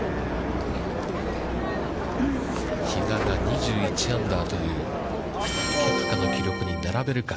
比嘉が２１アンダーというケプカの記録に並べるか。